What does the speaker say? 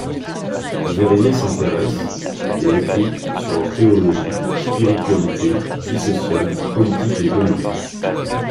Verrier s’intéresse, et écrit, sur leur théologie, spiritualité, vie sociale, politique et économique.